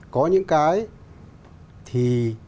có những cái thì